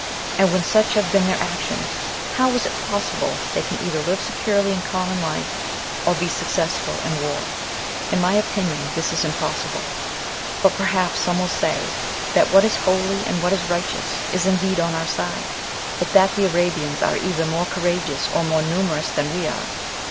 And when such have been their actions, how is it possible they can either live securely in common life, or be successful in war? In my opinion, this is impossible; but perhaps some will say, that what is holy, and what is righteous, is indeed on our side, but that the Arabians are either more courageous or more numerous than we are.